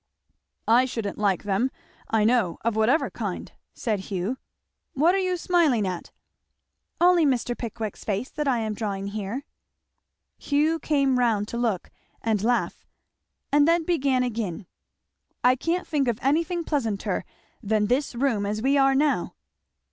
"I shouldn't like them, I know, of whatever kind," said Hugh. "What are you smiling at?" "Only Mr. Pickwick's face, that I am drawing here." Hugh came round to look and laugh, and then began again. "I can't think of anything pleasanter than this room as we are now."